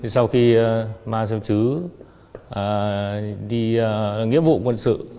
sau khi marcel chứa đi nhiệm vụ quân sự